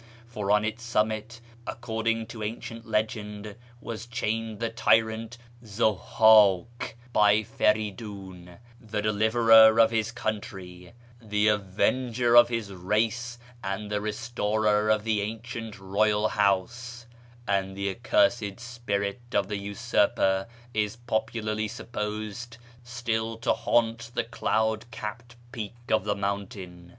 For on its summit, according to ancient legend, was chained the tyrant Zuhhiik by Feridiin, the deliverer of his country, the avenger of his race, and the restorer of the ancient royal house ; and the accursed spirit of the usurper is popularly supposed still to haunt the cloud capped peak of the mountain.